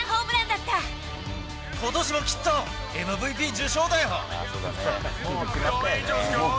ことしもきっと、ＭＶＰ受賞だよ。